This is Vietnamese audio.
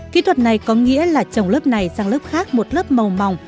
kỹ thuật này có nghĩa là trồng lớp này sang lớp khác một lớp màu mỏng